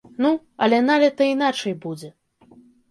Ну, але налета іначай будзе.